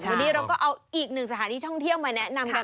วันนี้เราก็เอาอีกหนึ่งสถานที่ท่องเที่ยวมาแนะนำกัน